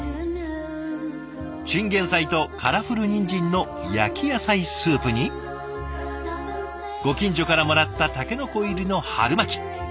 チンゲンサイとカラフルニンジンの焼き野菜スープにご近所からもらったタケノコ入りの春巻き。